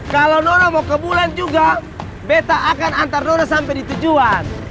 kalau nono mau ke bulan juga beta akan antar dono sampai di tujuan